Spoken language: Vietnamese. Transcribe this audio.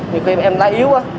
nhiều khi em lái yếu quá